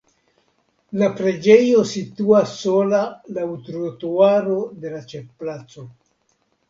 La preĝejo situas sola laŭ trotuaro de la ĉefplaco.